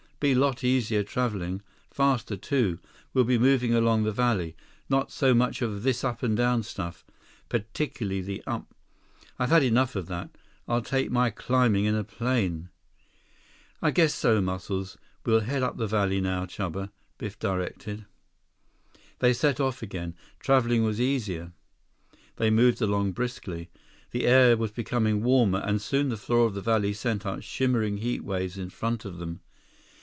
"Be lot easier traveling. Faster, too. We'll be moving along the valley. Not so much of this up and down stuff. Particularly the up. I've had enough of that. I'll take my climbing in a plane." "I guess so, Muscles. We'll head up the valley, now, Chuba," Biff directed. They set off again. Traveling was easier. They moved along briskly. The air was becoming warmer, and soon the floor of the valley sent up shimmering heat waves in front of them.